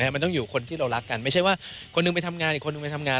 มันต้องอยู่คนที่เรารักกันไม่ใช่ว่าคนหนึ่งไปทำงานอีกคนนึงไปทำงาน